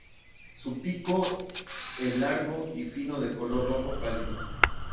Su pico e largo y fino de color rojo pálido.